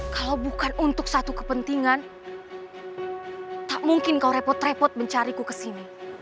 kalau bukan untuk satu kepentingan tak mungkin kau repot repot mencariku ke sini